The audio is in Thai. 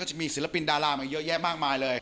จะมีศิลปินดารามาเยอะแยะมากมายเลย